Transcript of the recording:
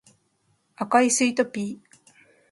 赤いスイートピー